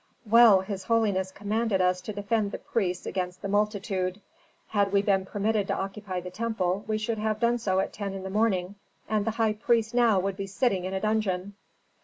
"Well, his holiness commanded us to defend the priests against the multitude. Had we been permitted to occupy the temple we should have done so at ten in the morning, and the high priests now would be sitting in a dungeon."